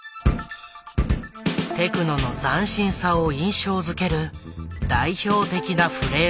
テクノの斬新さを印象付ける代表的なフレーズだった。